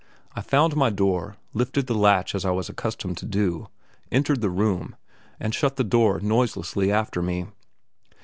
I found my door, lifted the latch as I was accustomed to do, entered the room, and shut the door noiselessly after me.